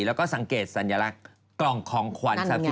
แล้วก็สังเกตสัญลักษณ์กล่องของขวัญ